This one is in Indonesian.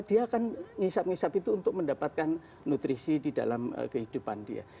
dia akan ngisap ngisap itu untuk mendapatkan nutrisi di dalam kehidupan dia